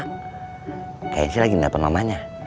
kayaknya lagi dapur mamanya